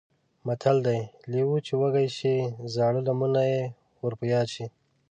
متل دی: لېوه چې وږی شي زاړه لمونه یې ور په یاد شي.